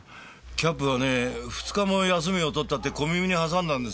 キャップがねぇ２日も休みを取ったって小耳に挟んだんですけどね。